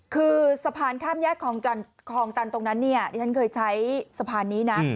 คือสะพานข้ามแยกคลองตันตรงนั้นเนี่ยที่ฉันเคยใช้สะพานนี้นะ